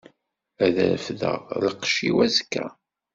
Ad refdeɣ lqecc-iw azekka.